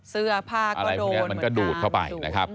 เสื้อผ้าก็โดน